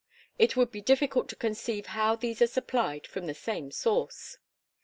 It would be difficult to conceive how these are supplied from the same source.